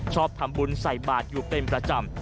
ชอบทำบุญใส่บาทอยู่เป็นประจำ